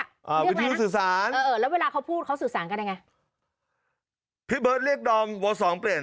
อ่าวิทิวสื่อสารแล้วเวลาเขาพูดเขาสื่อสารกันยังไง